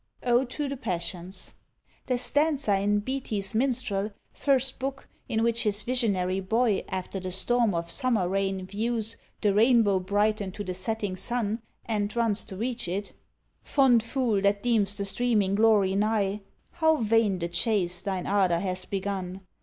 _ Ode to the Passions. The stanza in Beattie's "Minstrel," first book, in which his "visionary boy," after "the storm of summer rain," views "the rainbow brighten to the setting sun," and runs to reach it: Fond fool, that deem'st the streaming glory nigh, How vain the chase thine ardour has begun!